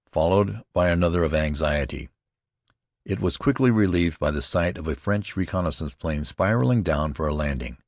followed by another of anxiety. It was quickly relieved by the sight of a French reconnaissance plane spiraling down for a landing.